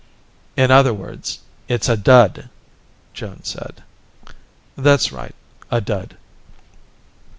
"In other words, it's a dud," Joan said. "That's right, a dud."